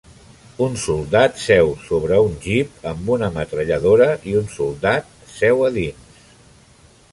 Un soldat seu sobre un Jeep amb una metralladora i un soldat seu a dins.